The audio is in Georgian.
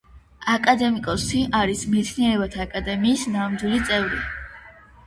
აკადემიკოსი არის მეცნიერებათა აკადემიის ნამდვილი წევრი.